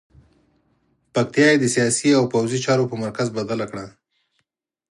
پکتیا یې د سیاسي او پوځي چارو په مرکز بدله کړه.